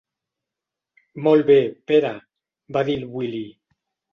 Molt bé, Pere —va dir el Willy—.